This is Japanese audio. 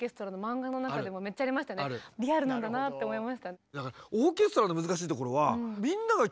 リアルなんだなって思いました。